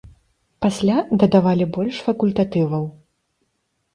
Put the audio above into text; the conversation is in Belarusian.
Пасля дадавалі больш факультатываў.